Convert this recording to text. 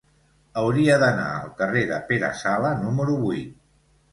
Hauria d'anar al carrer de Pere Sala número vuit.